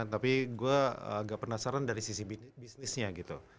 tapi gue agak penasaran dari sisi bisnisnya gitu